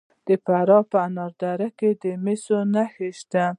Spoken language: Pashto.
د فراه په انار دره کې د مسو نښې شته.